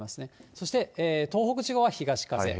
そして東北地方は東風。